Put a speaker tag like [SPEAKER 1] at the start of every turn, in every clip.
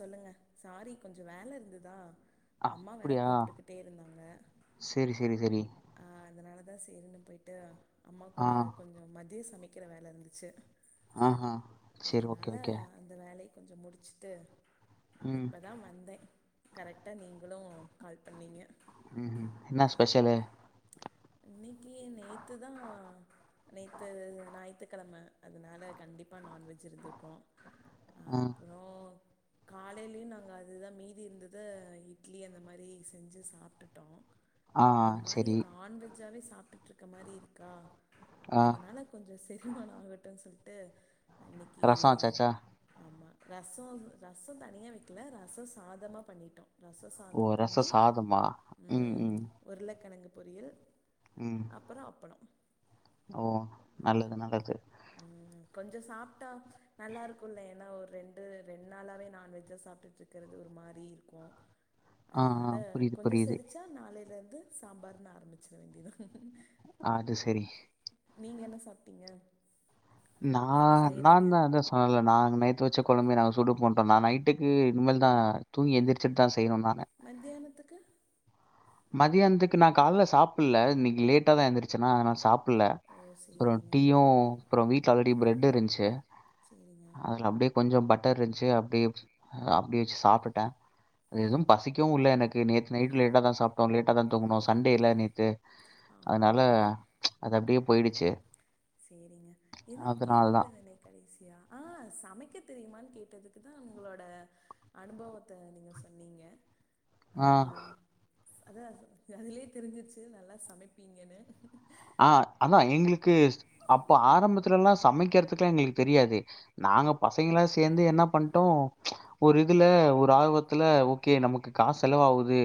[SPEAKER 1] சொல்லுங்க சாரி கொஞ்சம் வேலை இருந்ததா அம்மா வேற
[SPEAKER 2] அப்டியா
[SPEAKER 1] கூப்பிட்டுக்கிட்டே இருந்தாங்க
[SPEAKER 2] சேரி சேரி சேரி
[SPEAKER 1] ஆ அதனால தா சேரின்னு போயிட்டு அம்மா
[SPEAKER 2] ஆ
[SPEAKER 1] கூட கொஞ்ச மதியம் சமைக்கற வேலை இருந்துச்சு
[SPEAKER 2] ஆஹா சேரி ஓகே
[SPEAKER 1] அதனால
[SPEAKER 2] ஓகே
[SPEAKER 1] அந்த வேலையை கொஞ்சம் முடிச்சிட்டு
[SPEAKER 2] ம்
[SPEAKER 1] இப்பதா வந்தே கரெக்டா நீங்களும் கால் பண்ணீங்க
[SPEAKER 2] ம் என்ன ஸ்பெஷலு
[SPEAKER 1] இன்னிக்கு நேத்து தா நேத்து ஞாயி்த்துகெழம அதனால கண்டிப்பா நான்வெஜ் இருந்திருக்கும்
[SPEAKER 2] ம்
[SPEAKER 1] அப்புறோ காலைலயும் நாங்க அதுதா மீதி இருந்தத இட்லி அந்த மாறி செஞ்சு சாப்பிட்டுட்டோ
[SPEAKER 2] ஆ
[SPEAKER 1] ஒரு மாதிரி
[SPEAKER 2] சேரி
[SPEAKER 1] நான்வெஜ்ஜாவே சாப்பிட்டு இருக்க மாதிரி இருக்கா
[SPEAKER 2] ஆ
[SPEAKER 1] அதனால கொஞ்சம் செரிமானம் ஆகட்டுன்னு சொல்லிட்டு இன்னைக்கி
[SPEAKER 2] ரசோ வச்சாச்சா
[SPEAKER 1] ஆமா ரச ரச தனியா வெக்கல ரச சாதமா பண்ணிட்டோ ரச
[SPEAKER 2] ஓ
[SPEAKER 1] சாதம்
[SPEAKER 2] ரச
[SPEAKER 1] பண்ணி
[SPEAKER 2] சாதமா ம் ம்
[SPEAKER 1] உருளைக்கெலங்கு பொரியல்
[SPEAKER 2] ம்
[SPEAKER 1] அப்புறம் அப்பளம்
[SPEAKER 2] ஓ நல்லது நல்லது
[SPEAKER 1] ம் கொஞ்ச சாப்ட்டா நல்லாருக்குல்ல ஏனா ஒரு ரெண்டு ரெண்டு நாளாவே நான்வெஜ்ஜா சாப்ட்டுட்டு இருக்கறது ஒரு மாறி இருக்கும்
[SPEAKER 2] [inaudible]
[SPEAKER 1] அதனால
[SPEAKER 2] புரியுது
[SPEAKER 1] கொஞ்ச
[SPEAKER 2] புரியுது
[SPEAKER 1] செரிச்சா நாளைலருந்து சாம்பார்ன்னு ஆரம்பிச்சுற ட வேண்டிதுதான்
[SPEAKER 2] அது செரி
[SPEAKER 1] நீங்க என்ன சாப்ட்டீங்க? என்ன
[SPEAKER 2] நான்
[SPEAKER 1] செய்றீங்க
[SPEAKER 2] நான்தான் அதான் சொன்னல நா நேத்து வச்ச கொழம்பே நாங்க சூடு பண்ணிட்டோம்னா நா நைட்டுக்கு இனிமேல் நா தூங்கி எந்திரச்சுட்டுதான் செய்யணும்னா...
[SPEAKER 1] மத்தியானத்துக்கு?
[SPEAKER 2] மதியானத்துக்கு நா கால்ல சாப்பல்ல இன்னிக்கு லேட்டாதான் எந்திருச்சுன்னா அதனால சாப்பல்ல..
[SPEAKER 1] ஓ
[SPEAKER 2] அப்பறம்
[SPEAKER 1] சேரிங்க
[SPEAKER 2] டீயும், அப்பறம் வீட்ல ஆல்ரெடி பிரெட் இருந்துச்சு!
[SPEAKER 1] சேரிங்க
[SPEAKER 2] அத அப்டே.. கொஞ்சம் பட்டர் வச்சு, அப்டிடே அப்டியே வச்சு சாப்புட்டேன். அது எதுவும்... பசிக்கவும் இல்ல, எனக்கு நேத்து நைட்டு லேட்டாதான் சாப் நல்லா தூங்கணும். சண்டேல்ல நேத்து,
[SPEAKER 1] ஆமா
[SPEAKER 2] அதனால
[SPEAKER 1] ஆமா ஆமா
[SPEAKER 2] அது அப்டியே போயிடுச்சி
[SPEAKER 1] சேரிங்க எதுவும் கேட்டுட்டு இருந்தனே கடைசியா.. ஆ சமைக்க தெரியுமான்னு கேட்டதுக்குதான் உங்களோட.. அனுபவத்த நீங்க சொன்னீங்க! ஆ அதான் அதுலயே தெரிஞ்சிச்சு நல்லா சமைப்பீங்கன்னு
[SPEAKER 2] ஆ அதான் எங்களுக்கு அப்போ ஆரம்பத்துலல்லாம் சமைக்கிறதுக்குல்லாம் எங்களுக்கு தெரியாது நாங்க பசங்களா சேந்து என்ன பண்ட்டோம் ஒரு இதுல, ஒரு ஆர்வத்துல ஓகே நமக்கு காசு செலவாவுது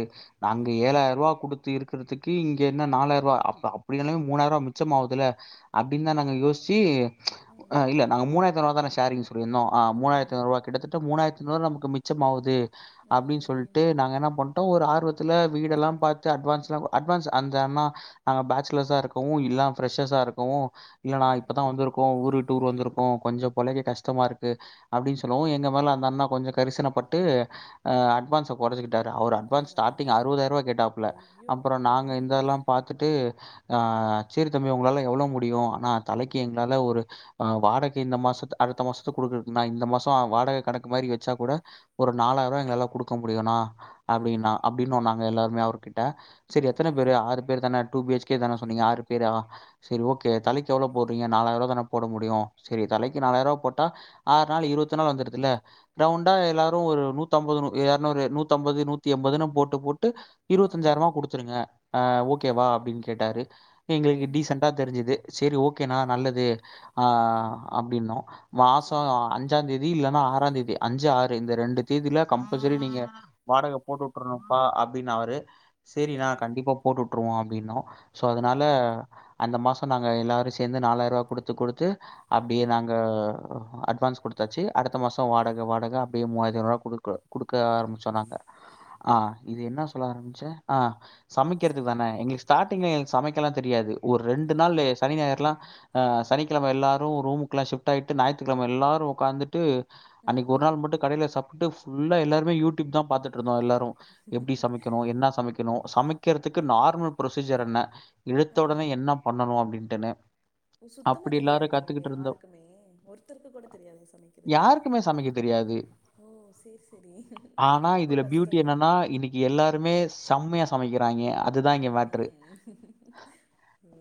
[SPEAKER 2] நாங்க
[SPEAKER 1] ம் ம்
[SPEAKER 2] ஏழாயிரரூவா குடுத்து இருக்கறதுக்கு, இங்க என்ன நாலாயிரரூவா அப் அ அப்டின்னாலே மூணாயிரரூவா மிச்சம் ஆவுதுல்ல அப்டின்னுதான் நாங்க யோசிச்சு
[SPEAKER 1] ம்.
[SPEAKER 2] இல்ல நாங்க மூணாயிரத்துஐநூறு ரூவாதான சேரிங் சொல்லியிருந்தோம் மூணாயிரத்துஐநூறு
[SPEAKER 1] ஆமாம்.
[SPEAKER 2] ரூவா, கிட்டத்தட்ட மூணாயிரத்து ஐநூறுரூவா மிச்சமாகுது
[SPEAKER 1] ம்
[SPEAKER 2] அப்டின்னு
[SPEAKER 1] ம்
[SPEAKER 2] சொல்ட்டு, நாங்க என்ன பண் டோ ஒரு ஆர்வத்துல வீடெல்லாம் பாத்து, அட்வான்ஸ்லாம், அட்வான்ஸ் அந்தண்ணா அந் பே பேச்சேலர்ஸ்ஸா இருக்கவும், இல்ல பிரெஷ்ர்ஸ்ஸா இருக்கவும், இல்லன்னா இப்பதான்
[SPEAKER 1] ம்.
[SPEAKER 2] வந்துதிரு க்கோ ஊரு விட்டு ஊர் வந்திருக்கோ கொஞ்சோ பொழைக்க கஷ்டமா இருக்கு அப்டின்னு சொல்லவும், எங்க மேல அந்த அண்ணா கொஞ்சோ கரிசனப்பட்டு, அட்வான்ஸ்ஸ கொறச்சி ட்டார் அவர் அட்வான்ஸ்
[SPEAKER 1] பரவால்ல.
[SPEAKER 2] ஸ்ட்டாடிங் அறுவதாயிரம் ரூபா கேட்டாப்ல
[SPEAKER 1] ஐயோ!
[SPEAKER 2] அப்பறம் நாங்க
[SPEAKER 1] ம்
[SPEAKER 2] இருந்ததெல்லாம் பாத்துட்டு ஆ சேரி தம்பி உங்களால எவ்ளோ முடியும் ஆண்ண தலைக்கு எங்களால ஒரு ஆ வாடகை இந்த மாசத்து, அடுத்த மாசத்து குடுக்குறக்கு நா இந்த மாசம் வாடகை கணக்கு மாரி வச்சா கூட ஒரு நாலாயிரரூபா எங்களால குடுக்க முடியுனா அப்டின்னா
[SPEAKER 1] ம்.
[SPEAKER 2] அப்டின்னோ நாங்க எல்லாருமே அவர்கிட்ட சரி எத்தன
[SPEAKER 1] ஓகே.
[SPEAKER 2] பேரு ஆறு பேர் தானே டூ பிஹச் கே தானே சொன்னீங்க ஆறு பேரு சரி ஓகே தலைக்கு எவ்ளோ போடுறீங்க நாலாயிர ரூவா தான போட முடியும். சரி தலைக்கு நாலாயிர ரூவா போட்டா... ஆறு நாலு இருபத்திநாலு வந்துருதுல ரவுண்டா எல்லாரும் ஒரு நூத்அம்பது, எறநூறு, நூத்தி அம்பது, நூத்தி எம்பதுன்னு போட்டு போட்டு...
[SPEAKER 1] ம்
[SPEAKER 2] இருபத்தஞ்சாயிரமா
[SPEAKER 1] ம்
[SPEAKER 2] குடுத்துருங்க ஆ ஓகேவா அப்டின்னு கேட்டாரு எங்களுக்கு
[SPEAKER 1] ம்.
[SPEAKER 2] டீசன்ட்டா தெரிஞ்சுது சேரி ஓகேண்ணா நல்லது ஆ அப்டின்னோ மாசோ
[SPEAKER 1] சேரிங்க.
[SPEAKER 2] அஞ்சா தே தி இல்லன்னா ஆறாந் தேதி அஞ்சு ஆறு இந்த ரெண்டு தேதில கம்பல்சரி நீங்க வாடக போட்டு வுட்டுருணும்ப்பா அப்டின்னு அவரு சேரிண்ணா
[SPEAKER 1] சேரிங்க.
[SPEAKER 2] கண்டிப்பா போட்டுட்டுருவோம் அப்டின்னோம், சோ அதனால
[SPEAKER 1] ம்
[SPEAKER 2] அந்த மாதம் நாங்க எல்லோரும் சேந்து நாலாயிரூவா குடுத்து, குடுத்து அப்டியே
[SPEAKER 1] ம்.
[SPEAKER 2] நாங்க அட்வான்ஸ் கொடுத் குடுத்தாச்சு அடுத்த மாசம் வாடக, வாடக அப்டியே மூவாயிரத்திஐநூறு ரூபா குடுக்க குடுக்க
[SPEAKER 1] பர
[SPEAKER 2] ஆரம்பிச்சோ நாங்க ஆ இது என்னா சொல்ல ஆரம்பிச்சே ஆ சமைக்கிறது
[SPEAKER 1] சம்
[SPEAKER 2] தானே எங்களுக்கு ஸ்டா‌ ட்டிங்ல சமைக்கலாம் தெரியாது ஒரு ரெண்டு
[SPEAKER 1] ஆ
[SPEAKER 2] நாள் சனி ஞாயிறுலா ஆ சனிக்கிழம எல்லாரும் ரூமுக்கெல்லாம் சிப்ட் ஆயிட்டு, ஞாயித்துக்கிழம எல்லாரும் உக்காந்துட்டு அன்னிக்கு
[SPEAKER 1] ம்
[SPEAKER 2] ஒருநாள் மட்டும் கடையில சாப்ட்டு, ஃபுல்லா எல்லாருமே யூடியூப்தான் பாத்துட்டு இருந்தோம் எல்லாரும்... எப்டி சமைக்கணும் என்ன சமைக்கணும் சமைக்கிறதுக்கு நார்மல் ப்ரொசீஜர் என்ன எடுத்த
[SPEAKER 1] ஆ.
[SPEAKER 2] உடனே என்ன பண்ணணும் அப்பிடின்ட்டுன
[SPEAKER 1] சுத்தமா
[SPEAKER 2] அப்டி எல்லாரும்
[SPEAKER 1] தெரியாதா உங்க
[SPEAKER 2] கத்துக்கிட்டு இருந்தோ
[SPEAKER 1] யாருக்குமே ஒருத்தருக்கு கூட தெரியாதா சமைக்கிறதுக்கு
[SPEAKER 2] யாருக்குமே சமைக்க தெரியாது
[SPEAKER 1] ஓ சரி சரி
[SPEAKER 2] ஆனா
[SPEAKER 1] அப்ப
[SPEAKER 2] இதுல பியூட்டி
[SPEAKER 1] கஷ்டம்தான்
[SPEAKER 2] என்னன்னா இன்னி எல்லாருமே செம்மையா சமைக்கிறாங்க அதுதா இங்க மேட்ரு
[SPEAKER 1] ம்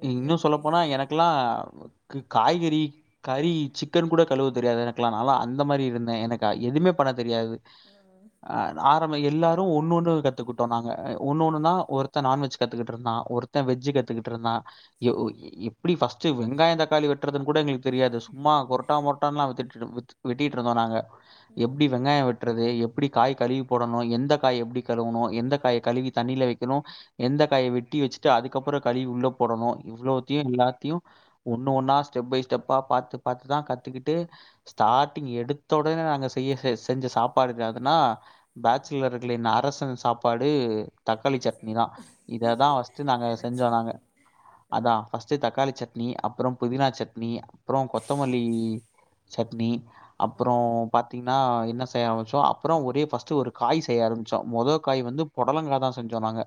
[SPEAKER 1] ஓகே ஓகே
[SPEAKER 2] கிளா காய்கறி கறி சிக் சிக்கன் கூட கழுவ தெரியாது எனக்குல நாளா அந்த மாறி இருந்தே எனக்கு எதுவுமே பண்ண தெரியாது
[SPEAKER 1] அஅ
[SPEAKER 2] ஆரம்ப எல்லாரும் ஒன்னொன்னு கத்துக்குட்டோ நாங்க ஒன்னு ஒன்னு நா ஒருத்த நான்வெஜ் கத்துக்கிட்டுருந்தான் ஒருத்தன் வெஜ் கத்துக்கிட்ருந்தான் ஒ
[SPEAKER 1] சரி
[SPEAKER 2] எப்டி ஃபஸ்ட்டு வெங்காய தக்காளி வெட்டறதுன்னு கூட எங்களுக்கு தெரியாது சும்மா கொரட்டாமொரட்டா வெட்டிட்டு இருந்தோ நாங்க எப்டி
[SPEAKER 1] ம்
[SPEAKER 2] வெங்காய வெட்ரது எப்டி காய் கலுவி போடனு எந்த காய் எப்டி கலுவனு எந்த காய் கலுவி தண்ணில வெக்கணும் எந்த காய் வெட்டி வச்சுட்டு அதுக்கப்புற கழுவி உள்ள போடணும் இவ்ளோத்தியும் எல்லாத்தியும் ஒண்ணு ஒன்னா ஸ்டெப்பை ஸ்டெப்பா பாத்து பாத்து தா கத்துகிட்டு ஸ்டார்ட்டிங் எடுத்த உடனே நாங்க செய்ய செஞ்ச சாப்பாடு என்னதுன்னா பேச்சுலர்களின் அரசன் சாப்பாடு தக்காளி சட்னி தா இததா நாங்க செஞ்சோ
[SPEAKER 1] நினச்சேன்
[SPEAKER 2] நாங்க
[SPEAKER 1] ஆ
[SPEAKER 2] அதா ஃபஸ்ட்டு தக்காளி சட்னி அப்றோம் புதினா சட்னி அப்ற கொத்தமல்லி சட்னி அப்றோ
[SPEAKER 1] ஓகே
[SPEAKER 2] பா பாத்திங்கனா என்ன செய்ய ஆரம்பிச்சோ அப்றோ ஒரே ஃபஸ்ட்டு ஒரு காய் செய்ய ஆரம்பிச்சோ மொத காய் வந்து பொடலங்கா தா செஞ்சோ நாங்க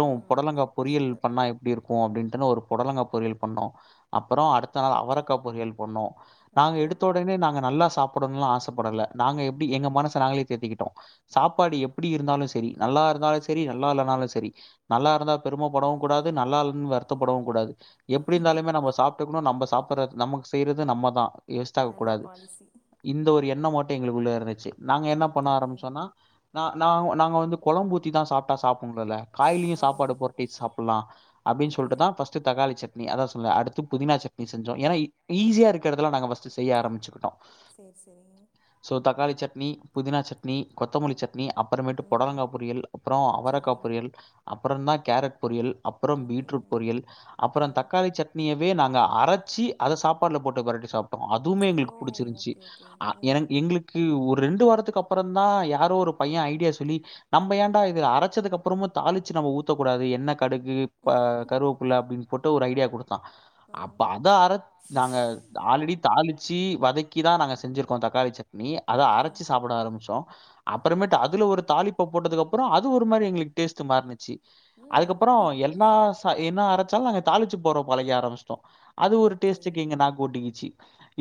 [SPEAKER 1] ஆ
[SPEAKER 2] பொடலங்கா
[SPEAKER 1] சூப்பர்
[SPEAKER 2] பொரியல்
[SPEAKER 1] சூப்பர்
[SPEAKER 2] பண்ணா எப் ப்டி இருக்கும் அப்டின்ட்டுன்னு ஒரு பொடலங்க பொறியல் பண்ணோ அப்பறோ அடுத்த நாள் அவரக்கா பொறியல் பண்ணோ நாங்க
[SPEAKER 1] ஓகே
[SPEAKER 2] எடுத்த ஒடனே நாங்க நல்லா சாப்படணும்லா ஆசப்படல நாங்க எப்டி எங்க மனச நாங்ளே தேத்திக்கிட்டோ சாப்பாடு எப்டி இருந்தாலு சேரி நல்லா இருந்தாலும் சேரி நல்லா இல்லனாலும் சேரி நல்லா இருந்தா பெருமபடவு கூடாது நல்லா இல்லனு வருத்தபடவு கூடாது எப்டி இருந்தாலுமே நம்ம சாப் நம்ப சாப்பட்றது நமக் செய்யறது நம்மதா வேஸ்ட் ஆக
[SPEAKER 1] நல்ல
[SPEAKER 2] கூடாது
[SPEAKER 1] பாலிசி
[SPEAKER 2] இந்த ஒரு எண்ணம் மட்டும் எங்களுக்குள்ள இருந்துச்சு நாங்க என்ன பண்ண
[SPEAKER 1] ஓகேங்க
[SPEAKER 2] ஆரம்பிச்சோன்னா நா நாங்க வந்து கொலம்பூத்தி தா சாப்டா சாப்புன்னோல்லல காய்கறி
[SPEAKER 1] ஆ
[SPEAKER 2] சாப்பாடு பொரட்டி சாப்படலா அப்டின்னு
[SPEAKER 1] ஓகே
[SPEAKER 2] சொல்லிட்டுதா ஃபஸ்ட் ஃபஸ்ட்டு தாக்காளி சட்னி அதா சொன்ல அடுத்து புதினா சட்னி செஞ்சோ ஏனா ஈஸ்யா இருக்குறதுலாம் நாங்க ஃபஸ்ட்டு செய்ய ஆரம்புச்சுக்கிட்டோ
[SPEAKER 1] சேர் சேரி
[SPEAKER 2] ஸோ தக்காளி சட்னி புதினா சட்னி கொத்தமல்லி சட்னி அப்பறமேட்டு
[SPEAKER 1] ம்
[SPEAKER 2] பொடலங்கா பொரியல் அப்பறோ அவரக்கா
[SPEAKER 1] சரிங்க
[SPEAKER 2] பொரியல் அப்றோதா‌ கேரட் பொரியல் அப்றோ‌
[SPEAKER 1] ஓகேங்க
[SPEAKER 2] பீட்ரூட் பொரியல் அப்பற
[SPEAKER 1] ஆ
[SPEAKER 2] தக்காளி சட்னியவே நாங்க அரச்சு அத சாப்பாட்ல போட்டு பெரட்டி சாப்ட்டோம் அதுமே எங்க
[SPEAKER 1] ஓ
[SPEAKER 2] புடிச்சிருந்துச்சு
[SPEAKER 1] ஓகே ஓகே
[SPEAKER 2] அ எனக்கு‌
[SPEAKER 1] ஆ
[SPEAKER 2] எங்கு கு ஒரு ரெண்டு வாரத்துக்கு அப்பறந்தா யாரோ ஒரு பையன் ஐடியா சொல்லி நம்ப ஏன்டா இது அரைச்சதுக்கு அப்றபறமு தாளிச் ச்சு நம்ப ஊத்தகூடாது எண்ணெ கடுகு ஆ கருவேப்புல அப்டின்னு போட்டு ஒரு ஐடியா குடுத்தா
[SPEAKER 1] ஆ
[SPEAKER 2] அப்ப அத அற நாங்க ஆல்ரெடி தாளிச்சு வதக்கி தா நாங்க செஞ்சிருக்கோ தக்காளி சட்னி அத
[SPEAKER 1] ஆ
[SPEAKER 2] அரைச்சி சாப்பட ஆரமிச்சோ அப்புறமேட்டு அதுல ஒரு தாளிப்ப போட்டதுக்கப்பற அது ஒரு மாறி எங்ளுக்கு டேஸ்ட் மாறு ன்சு அதுக்கப்பற
[SPEAKER 1] ம்
[SPEAKER 2] எல்லா ச என்ன அரைச்சாலும் நாங்க தாளிச்சு போட பழகி ஆரம்பிச்சுட்டோ அது ஒரு
[SPEAKER 1] ஓகே
[SPEAKER 2] டேஸ்டுக்கு எங்க நாக் ஒட்டிக்குச்சு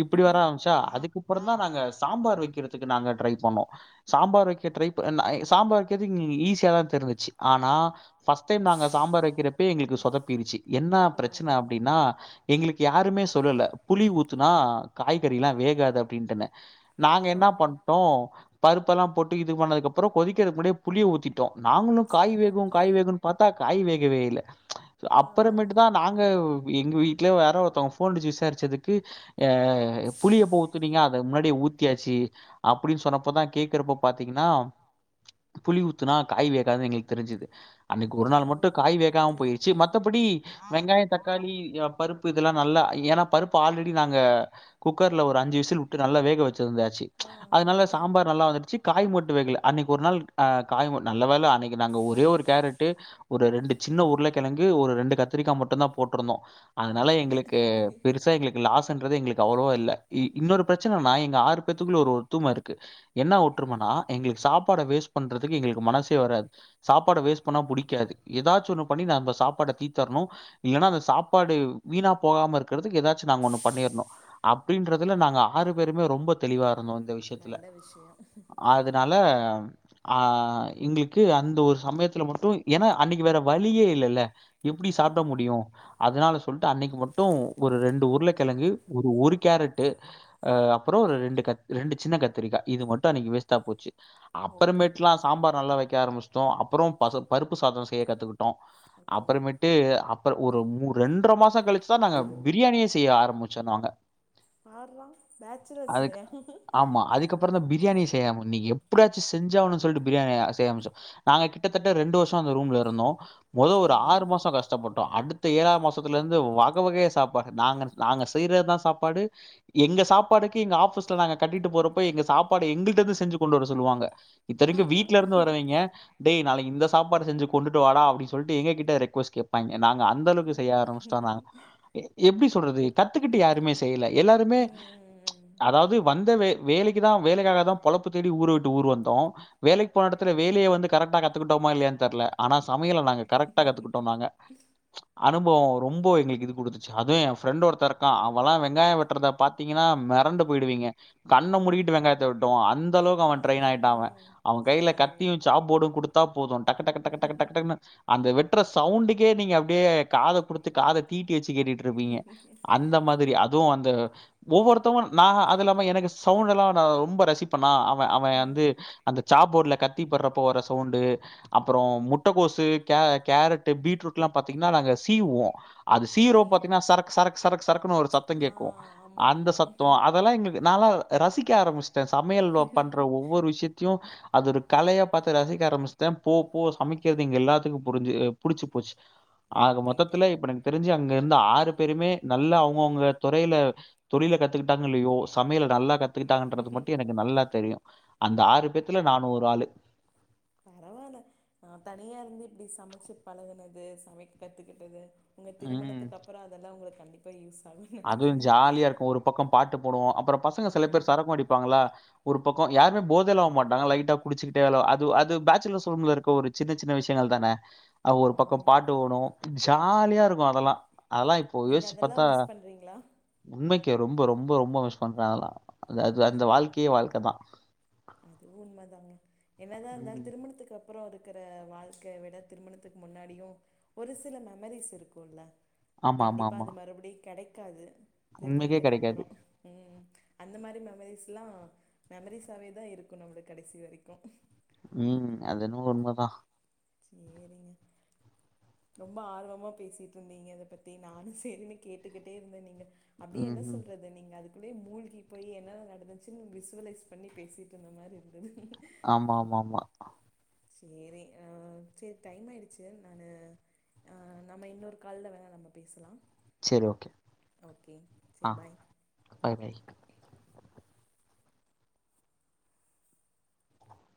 [SPEAKER 2] இப்டி வர ஆரமிச்சா அதுக்கு அப்புறோ தா நாங்க சாம்பார் வெக்கிறதுக்கு நாங்க ட்ரை பண்ணோ சாம்பார் வெக்க ட்ரை பன்ன அ சாம்பார் வெக்கது ஈஸியாதா தெரிஞ்சிச்சி ஆனா ஃபர்ஸ்ட் டைம் நாங்க சாம்பார் வெக்கிறப்பே எங்ளுக்கு சொதப்பிருச்சு என்ன
[SPEAKER 1] ஆ
[SPEAKER 2] பிரச்சன அப்டின்னா எங்குளுக்கு யாருமே சொல்லல புளி ஊத்துனா காய்கறி லா வேகாது அப்டின்ட்டுனு நாங்க
[SPEAKER 1] ஆ
[SPEAKER 2] என்னா பண்ட்டோ பருப்பெல்லா போட்டு இது பண்ணதுக்கு அப்புறோ கொதிக்கறக்கு முன்டியே புளி ஊத்திட்டோம் நாங்களும் காய் வேகும்
[SPEAKER 1] ஓகே
[SPEAKER 2] காய் வேகுன் பாத்தா காய் வேகவே இல்ல
[SPEAKER 1] ஆ ஆ
[SPEAKER 2] அப்பறமேட்டு தா நாங்க எங்க வீட்ல யாரோ ஒருத்தவங்க ஃபோன் டிச்சி விசாரிச்சதுக்கு ஆ புளி எப்ப ஊத்துனீங்கா அத முன்னாடியே ஊத்தியாச்சி அப்டின் சொன்னப்ப தா கேக்குறப்ப பாத்தீங்ன்னா புளி ஊத்துனா காய் வேகாது எங்களுக் தெரிஞ்சுது அன்னைக்கு
[SPEAKER 1] ஓ
[SPEAKER 2] ஒரு நாள் மட்டு காய் வேகாம்மா
[SPEAKER 1] ஓகே
[SPEAKER 2] போய்ருச்சு
[SPEAKER 1] ஓகே
[SPEAKER 2] மத்தபடி வெங்காயோ தக்காளி யா பருப்பு இதெல்லா நல்லா ஏன்னா பருப்பு ஆல்ரெடி நாங்க குக்கர்ல ஒரு அஞ்சு விசில் உட்டு நல்லா வேக வச்சியிருந்தாச்சு
[SPEAKER 1] ஆ
[SPEAKER 2] அதனால
[SPEAKER 1] ஓகே
[SPEAKER 2] சாம்பார் நல்லா வந்துருச்சு காய் மட்டு வேகுல்லா அன்னைக்கு ஒரு நாள் ஆ காய் ம நல்ல வேல அன்னைக்கு நாங்க ஒரே ஒரு கேரட்டு ஒரு ரெண்டு சின்ன உருளக்கெழங்கு ஒரு ரெண்டு கத்திரிக்கா மட்டும் தா போட்டுருந்தோ அதனால
[SPEAKER 1] பரவால்ல
[SPEAKER 2] எங்களுக் க பெருசா எங்ளுக் லாஸ்ன்றது எங்களுக்கு அவ்ளவா இல்ல இன்னொரு பிரச்சனன்னா எங்க ஆறு பேர்த்துக்குள்ள ஒரு ஒத்தும இருக்கு என்ன ஒற்றுமன்னா எங்ளுக் சாப்பாட வேஸ்ட் பண்றதுக்கு எங்ளுக்கு மனசே வராது சாப்பாட வேஸ்ட் பண்ணா புடிக்காது எதாச்சு ஒண்ணு பண்ணி நா அந்த சாப்பாட தீத்தர்னோ இல்லன்னா அந்த சாப்பாடு வீணா போகாம இருக்கற்துக்கு எதாச்சு நாங்க ஒண்ணு பண்ணிற்னோ அப்டின்றதுல நாங்க ஆறு பேருமே ரொம்ப தெளிவா இருந்தோ இந்த விஷ் யத்துல
[SPEAKER 1] நல்ல விஷயோ
[SPEAKER 2] அதனால ஆ எங்குளுக்கு அந்த ஒரு சமயத் துல மட்டு ஏன்னா அன்னிக்கு வேற வழியே இல்லல்ல எப்டி சாப்ட
[SPEAKER 1] ஆமா
[SPEAKER 2] முடியோ அதனால சொல்ட்டு அன்னைக்கு மட்டோ ஒரு ரெண்டு உருளக்கெழங்கு ஒரு ஒரு கேரட்டு அ அப்றோ ஒரு ரெண்டு கத் ரெண்டு சின்ன கத்திரிக்கா இது மட்டோ அன்னைக்கு வேஸ்டா போச்சு
[SPEAKER 1] ஓகேங்க
[SPEAKER 2] அப்பறமேட்லா சாம்பார் நல்லா வெக்க ஆரம்பிஸ்ட்டோ அப்புறோ பசங் பருப்பு சாதோ செய்ய கத்துக்கிட்டோ
[SPEAKER 1] ஓகே
[SPEAKER 2] அப்பறமேட்டு அப் அப்ற ஒரு மூ ரெண்ட்ர மாசோ கழிச்சுதா நாங்க பிரியாணியே செய்ய ஆரம்முச்சோ நாங்க
[SPEAKER 1] பார்றா பேச்சுலர்ஸ்ல
[SPEAKER 2] அதுகப்புறோ தா பிரியாணி செய்யாமு இன்னிக்கி எப்படியாச்சு செஞ்சே ஆவுன்னோ சொல்ட்டு பிரியாணி ஆ செய்ய ஆரமிச்சோ நாங்க கிட்ட கிட்டத்தட்ட ரெண்டு வர்ஷோ அந்த ரூம்ல இருந்தோ மொத ஒரு
[SPEAKER 1] சேரிங்க
[SPEAKER 2] ஆறு மாசோ கஷ் ஷ்டப்பட்டோ அடுத்த ஏழாம் மாசத்துல இருந்து வக வகையா சாப்பாடு நாங்க நாங்க செய்றத்தா சாப்பாடு எங்க சாப்பாடுக்கு எங்க ஆஃபீஸ்ல நாங்க கட்டிட்டு போறப்போ எங்க சாப்பாடு எங்கிட்டந்து செஞ்சு கொண்டு வர சொல்லுவாங்க இத்தனிக்கு
[SPEAKER 1] பார்றா
[SPEAKER 2] வீட்ல இருந்து வரவாய்ங்க டேய் நாளைக் இந்த சாப்பாடு செஞ்சி கொண்டுட்டு வாடா அப்டி சொல்ட்டு எங்க கிட்ட ரெக்வஸ் கேப்பாங்க நாங்க
[SPEAKER 1] ஆ
[SPEAKER 2] அந்தளவ்க்கு செய்ய ஆரம்பிஸ்ட்டோ
[SPEAKER 1] ம்
[SPEAKER 2] நாங்க எப்டி சொல்றது கத்துக்கிட்டு யாருமே செய்ல எல்லாருமே
[SPEAKER 1] ம் ம்
[SPEAKER 2] அதாவ்து வந்த வே வேலைக்குதா வேலைக்காக தா பொழப்பு தேடி ஊரு விட்டு ஊர் வந்தோ வேலைக் போன எடத்துல வேலிய வந்துட் கரக்ட்டா கத்துக்குட்டோமா இல்லயான் தெர்ல ஆனா சமையல நாங்க கரெக்ட்டா கத்துக்குட்டோ நாங்க அனுபவோ ரொம்ப எங்குளுக் இது குடுத்துச்சு அதுவு என் ஃப்ரெண்ட் ஒருத்த இருக்கான் அவெல்லா வெங்காயோ வெட்டுறத பாத்தீங்கன்னா மெரண்டு போய்டுவீங்க கண்ண மூடிக்கிட்டு வெங்காயத்த வெட்டுவா அந்த அளவுக்கு அவன் ட்ரெயின்
[SPEAKER 1] பார்றா
[SPEAKER 2] ஆயிட்டா அவன்
[SPEAKER 1] ம்
[SPEAKER 2] அவன் கைல
[SPEAKER 1] சேரிங்க
[SPEAKER 2] கத்தியு சாப்போடும் குடுத்தா போதும் டக்கு டக்கு டக்கு டக்கு டக்கு டக்குன்னு அந்த வெட்டுற சவுண்டுக்கே நீங்க அப்டியே காத குடுத்து காத தீட்டி வச்சு கேட்டுட்டு இருப்பீங்க அந்த மாதிரி அதுவு அந்த ஒவ்வொருத்தவங்க நா அது இல்லாம எனக்கு சவுண்ட் எல்லா நா ரொம்ப ரசிப்பண்ணா அவே அவன்
[SPEAKER 1] ஆ
[SPEAKER 2] வந்து அந்த சாப்போர்ட்ல கத்திப்படுறப்ப வற சவுண்டு அப்றோ முட்டகோசு கே கேரட்டு பீட்ரூட் எல்லா பாத்தீங்னா நாங்க சீவ்வோ அது சீவ்ரோ
[SPEAKER 1] ஓகே
[SPEAKER 2] பாத்தீங்னா சரக் சரக் சரக் சரக்குன்னு ஒரு சத்தம்
[SPEAKER 1] ஆ
[SPEAKER 2] கேட்கு
[SPEAKER 1] ஆமா
[SPEAKER 2] அந்த
[SPEAKER 1] ஆமா
[SPEAKER 2] சத்தம் அதெல்லா எங்ளுக்கு நால்லா ரசிக்க ஆரம்பிச்சிட்ட சமையல் பண்ற ஒவ்வொரு விஷயத்தையு அது ஒரு கலைய பாத்து ரசிக்க ஆரம்பிச்சுட்ட போ போ சமைக்கிறது எங்க எல்லாத்துக்கு புரிஞ்சு புடிச்சு போச்சு ஆக
[SPEAKER 1] ஓகேங்க
[SPEAKER 2] மொத்தத்துல இப்ப எனக்கு தெரிஞ்சு அங்க இருந்து ஆறு பேருமே நல்ல அவுங்கவுங்க துறையில தொழில கத்துக்கிட்டாங்க இல்லையோ சமையல நல்லா கத்து கிட்டாங்கன்றது மட்டு எனுக்கு நல்லா தெரியு அந்த ஆறு பேத்துல நானு ஒரு ஆளு
[SPEAKER 1] பரவால்ல நா தனியா இருந்து இப்டி சமச்சு பழகுனது சமைக்க கத்துக்கிட்டது உங்க
[SPEAKER 2] ம்.
[SPEAKER 1] திருமணத்துக்கு அப்பறோ அதெல்லா உங்களுக் கண்டிப்பா யூஸ் ஆகுன் நெனைக்கிற
[SPEAKER 2] அதுவும் ஜாலியா இருக்கும். ஒரு பக்கம் பாட்டு போடுவோ அப்பறோ பசங்க சில பேர் சரக்கு அடிப்பாங்ளா ஒரு பக்கோ யாருமே போதைலா ஆவ்மாட்டாங்க லைட்டா குடிச்சுட்டே அது அது பேச்சுலர்ஸ் ரூம்ல இருக்க ஒரு சின்ன சின்ன விஷயங்கள்தான அ ஒரு
[SPEAKER 1] ஆ
[SPEAKER 2] பக்கோ பாட்டு ஓடு ஜாலியா இருக்கு அதெல்லா அதெல்லா இப்ப யோஷ்ச்சு பாத்தா
[SPEAKER 1] வரீங்ளா
[SPEAKER 2] உண்மைக்கே ரொம்போ ரொம்போ ரொம்போ மிஸ் பண்ற அதெல்லா அது அது அந்த வாழ்க்கையே வாழ்க்கதா
[SPEAKER 1] அது உண்மதாங்க என்னதா இருந்தாலு
[SPEAKER 2] ம்.
[SPEAKER 1] திருமணத்துக் கு அப்பறோ இருக்குற வாழ்க்கைய விட திருமணத்துக்கு முன்னாடியு ஒரு சில மெமரிஸ் இருக்குல
[SPEAKER 2] ஆமா, ஆமா,
[SPEAKER 1] கண்டிப்பா
[SPEAKER 2] ஆமா.
[SPEAKER 1] அது மறுபடியு கெடைக்காது
[SPEAKER 2] உண்மைக்கே
[SPEAKER 1] திருமணத்துக்கு
[SPEAKER 2] கிடைக்காது.
[SPEAKER 1] அப்றோ ம் அந்த மாரி மெமரிஸ்லா மெமரிஸாவேதா இருக்கு நம்பளுக் கடைசி வரைக்கு
[SPEAKER 2] ம் அது என்னவோ உண்மதா
[SPEAKER 1] சேரிங்க ரொம்ப ஆர்வமா பேசிட்ருந்தீங்க அத பத்தி நானு செரின்னு கேட்டுக்கிட்டே இருந்த நீங்க அப்டியே என்ன
[SPEAKER 2] ம்ஹ்ம்.
[SPEAKER 1] சொல்றது நீங்க அது அப்டியே மூழ்கி போய் என்னலா நடந்துச்சுன் விசுவலைஸ் பண்ணி பேசிட்டு இருந்த மாரி இருந்துது
[SPEAKER 2] ஆமா ஆமா ஆமா
[SPEAKER 1] சேரி ஆ செரி டைம் ஆயிடுச்சு நானு ஆ நம்ப இன்னொரு கால்ல வேணா நம்ப பேசலா
[SPEAKER 2] செரி ஓகே
[SPEAKER 1] ஓகே
[SPEAKER 2] ஆ
[SPEAKER 1] சேரி பாய்
[SPEAKER 2] பாய் பாய்